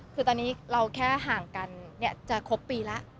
คือตอนนี้เราแค่ห่างกันจะครบปีแล้ว